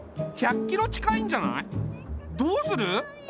どうする？